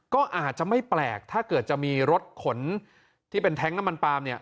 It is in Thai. ก็อาจจะไม่แปลกถ้าเกิดจะมีรถขนที่เป็นแท็งค์น้ำมันปาล์มเนี่ย